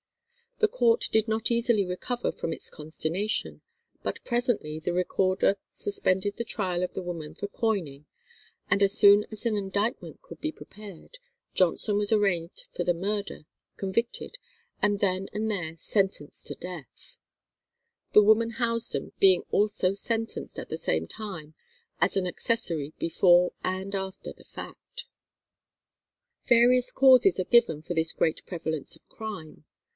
The court did not easily recover from its consternation, but presently the recorder suspended the trial of the woman for coining, and as soon as an indictment could be prepared, Johnson was arraigned for the murder, convicted, and then and there sentenced to death; the woman Housden being also sentenced at the same time as an accessory before and after the fact. Various causes are given for this great prevalence of crime.